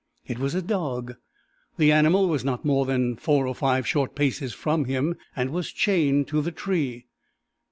It was a dog. The animal was not more than four or five short paces from him, and was chained to the tree.